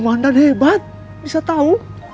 kemandan hebat bisa tahu